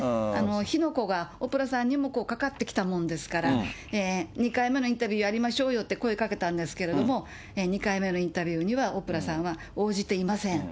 火の粉がオプラさんにもかかってきたもんですから、２回目のインタビューやりましょうよって声かけたんですけれども、２回目のインタビューにはオプラさんは応じていません。